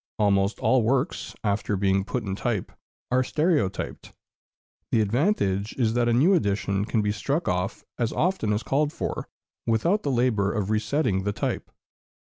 Almost all works, after being put in type, are stereotyped; the advantage is that a new edition can be struck off as often as called for, without the labor of resetting the type.